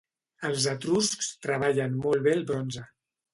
Els etruscs treballaven molt bé el bronze.